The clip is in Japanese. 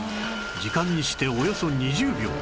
時間にしておよそ２０秒